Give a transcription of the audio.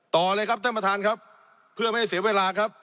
ต่อเลยครับท่านประธานครับเพื่อไม่ให้เสียเวลาครับ